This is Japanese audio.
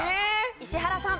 石原さん。